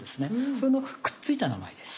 そのくっついた名前です。